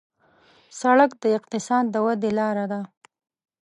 سړک د اقتصاد د ودې لاره ده.